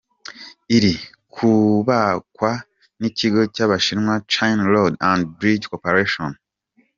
Iri kubakwa n’ikigo cy’Abashinwa China Road and Bridge Corporation.